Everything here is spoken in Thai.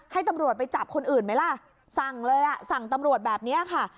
ให้ตำรวจไปจับคนอื่นไหมล่ะสั่งเลยอ่ะสั่งตำรวจแบบนี้ค่ะ